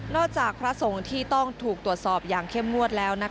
จากพระสงฆ์ที่ต้องถูกตรวจสอบอย่างเข้มงวดแล้ว